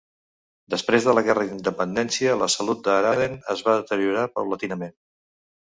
Després de la Guerra d'Independència, la salut de Haraden es va deteriorar paulatinament.